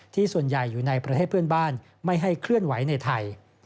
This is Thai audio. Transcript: ส่วนใหญ่อยู่ในประเทศเพื่อนบ้านไม่ให้เคลื่อนไหวในไทย